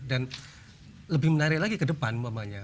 dan lebih menarik lagi ke depan